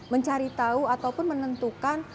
mencari tahu ataupun menentukan